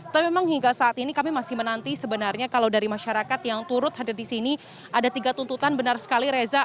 tapi memang hingga saat ini kami masih menanti sebenarnya kalau dari masyarakat yang turut hadir di sini ada tiga tuntutan benar sekali reza